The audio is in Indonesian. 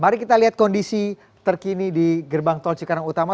mari kita lihat kondisi terkini di gerbang tol cikarang utama